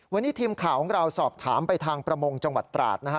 วันนี้ทีมข่าวของเราสอบถามไปทางประมงจังหวัดตราดนะฮะ